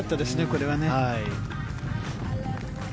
これはね。